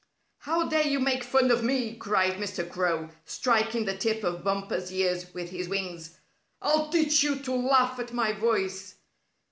"How dare you make fun of me!" cried Mr. Crow, striking the tip of Bumper's ears with his wings. "I'll teach you to laugh at my voice."